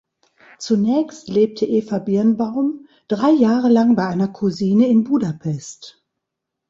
Zunächst lebte Eva Birnbaum drei Jahre lang bei einer Cousine in Budapest.